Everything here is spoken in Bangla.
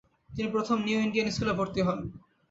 তিনি প্রথমে নিউ ইন্ডিয়ান স্কুলে ভর্তি হন।